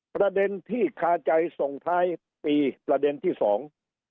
ประเด็นที่คาใจส่งท้ายปีประเด็นที่สอง